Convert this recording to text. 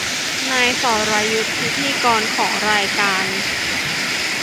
นายสรยุทธพิธีกรของรายการ